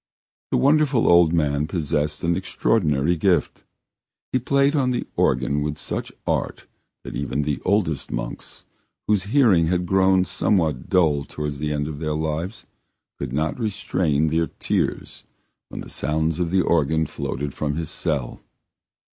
The wonderful old man possessed an extraordinary gift. He played on the organ with such art that even the oldest monks, whose hearing had grown somewhat dull towards the end of their lives, could not restrain their tears when the sounds of the organ floated from his cell.